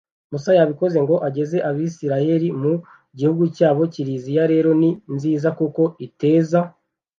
musa yabikoze ngo ageze abayisiraheli mu gihugu cyabo. kiliziya rero ni nziza kuko iteza